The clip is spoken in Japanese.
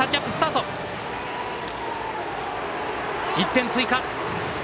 １点追加。